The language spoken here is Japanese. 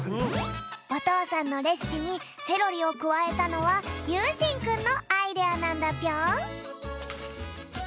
おとうさんのレシピにセロリをくわえたのはゆうしんくんのアイデアなんだぴょん。